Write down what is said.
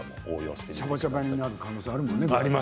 しゃばしゃばになる可能性ありますものね。